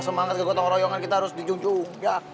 semangat ke gotong royongan kita harus dijunjung